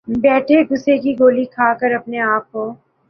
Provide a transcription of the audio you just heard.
بیٹھے غصے کی گولی کھا کر اپنے آپ کو